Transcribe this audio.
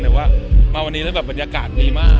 แต่ว่ามาวันนี้แล้วแบบบรรยากาศดีมาก